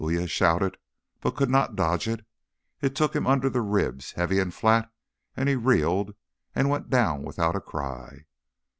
Uya shouted, but could not dodge it. It took him under the ribs, heavy and flat, and he reeled and went down without a cry.